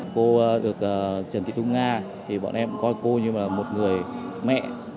cô được trần thị thu nga thì bọn em coi cô như là một người mẹ